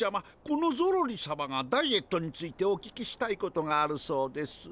このゾロリ様がダイエットについてお聞きしたいことがあるそうです。